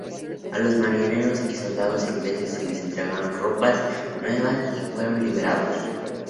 A los marineros y soldados ingleses se les entregaron ropas nuevas y fueron liberados.